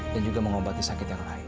dan juga mengobati sakit yang lain